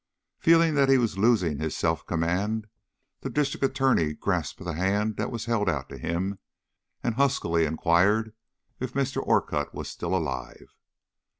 Feeling that he was losing his self command, the District Attorney grasped the hand that was held out to him, and huskily inquired if Mr. Orcutt was still alive.